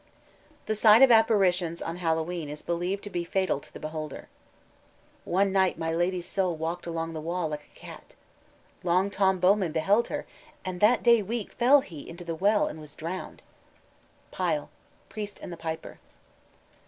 _ The sight of apparitions on Hallowe'en is believed to be fatal to the beholder. "One night my lady's soul walked along the wall like a cat. Long Tom Bowman beheld her and that day week fell he into the well and was drowned." PYLE: _Priest and the Piper.